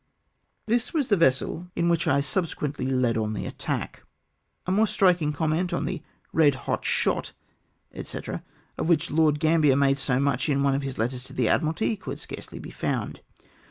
This was the vessel in which I subsequently led on EXPLOSION VESSELS. 369 tlie attack. A more strikino; comment on the " red liot shot," &c., of which Lord Gambler made so much in one of his letters to the Admiralty, could scarcely be found.